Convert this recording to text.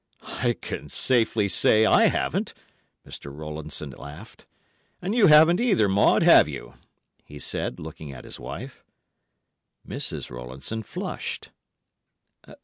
"I can safely say I haven't," Mr. Rowlandson laughed; "and you haven't, either, Maud, have you?" he said, looking at his wife. Mrs. Rowlandson flushed.